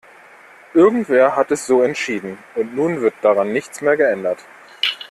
Irgendwer hat es so entschieden, und nun wird daran nichts mehr geändert.